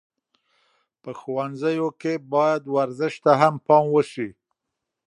په ښوونځیو کې باید ورزش ته هم پام وسي.